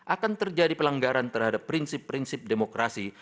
akan terjadi pelanggaran terhadap prinsip prinsip demokrasi